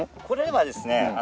これはですね